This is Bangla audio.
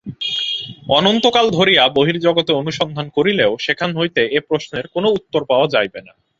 অনন্তকাল ধরিয়া বহির্জগতে অনুসন্ধান করিলেও সেখান হইতে এ প্রশ্নের কোন উত্তর পাওয়া যাইবে না।